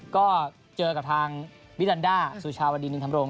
ก็เจอกับทางวิทยาลันด้าสุชาวดินินธรรมโรง